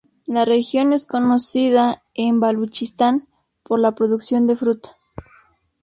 La región es conocida en Baluchistán por la producción de fruta.